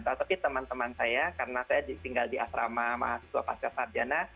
tetapi teman teman saya karena saya tinggal di asrama mahasiswa pasca sarjana